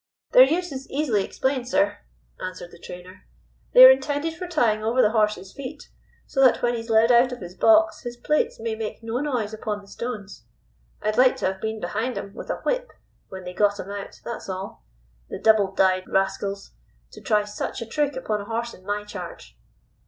"Their use is easily explained, sir," answered the trainer. "They are intended for tying over the horse's feet, so that when he is led out of his box his plates may make no noise upon the stones. I'd like to have been behind 'em with a whip when they got him out, that's all. The double dyed rascals, to try such a trick upon a horse in my charge!"